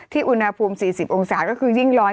อุณหภูมิ๔๐องศาก็คือยิ่งร้อน